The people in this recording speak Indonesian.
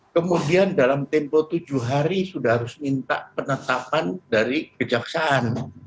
kemudian dalam tempo tujuh hari sudah harus minta penetapan dari kejaksaan